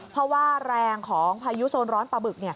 เพราะว่าแรงของพายุโซนร้อนปลาบึก